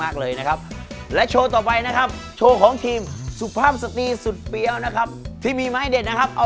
ถ้าอยากจะรักกับพี่รอหน่อยคนที่คอยท่า